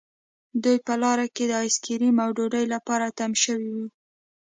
دوی په لاره کې د آیس کریم او ډوډۍ لپاره تم شوي وو